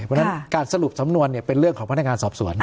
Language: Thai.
เพราะฉะนั้นการสรุปสำนวนเป็นเรื่องของพนักงานสอบสวน